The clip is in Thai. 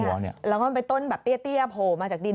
ชาวบ้านเขาไปต้นแบบเตี๊ยบโผล่มาจากดิน